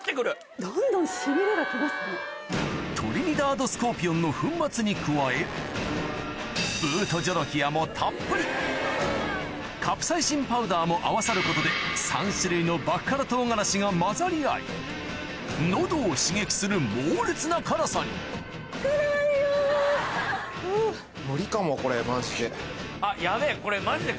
トリニダード・スコーピオンの粉末に加えもたっぷりカプサイシンパウダーも合わさることでが混ざり合い喉を刺激する猛烈な辛さにこれマジで。